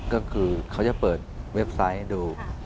ก็คือเขาจะเปิดเว็บไซต์ดู